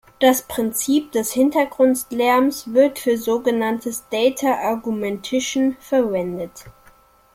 Das Prinzip des Hintergrundlärms wird für sogenanntes "Data Augmentation" verwendet.